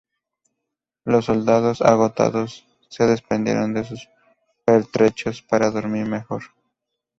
Los soldados, agotados, se desprendieron de sus pertrechos para dormir mejor.